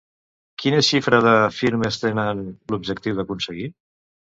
Quina xifra de firmes tenen l'objectiu d'aconseguir?